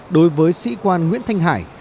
đối với sĩ quan nguyễn thanh hải